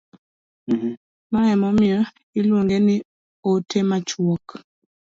mae emomiyo iluonge ni ote machuok